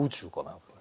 やっぱり。